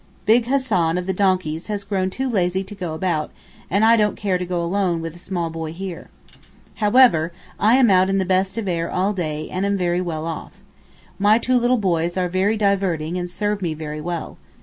Big Hassan of the donkeys has grown too lazy to go about and I don't care to go alone with a small boy here. However I am out in the best of air all day and am very well off. My two little boys are very diverting and serve me very well.